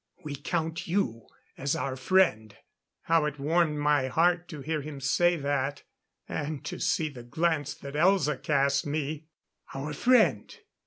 We count you as our friend " How it warmed my heart to hear him say that; and to see the glance that Elza cast me! " Our friend.